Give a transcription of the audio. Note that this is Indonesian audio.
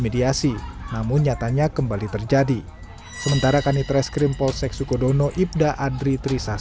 mediasi namun nyatanya kembali terjadi sementara kanitreskrim polsek sukodono ibda adri trisah